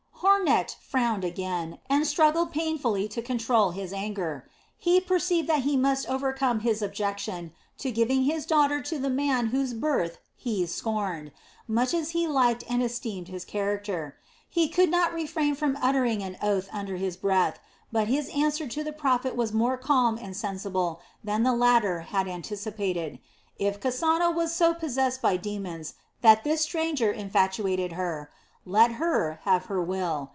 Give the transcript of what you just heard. Hornecht frowned again, and struggled painfully to control his anger. He perceived that he must overcome his objection to giving his daughter to the man whose birth he scorned, much as he liked and esteemed his character. He could not refrain from uttering an oath under his breath, but his answer to the prophet was more calm and sensible than the latter had anticipated. If Kasana was so possessed by demons that this stranger infatuated her, let her have her will.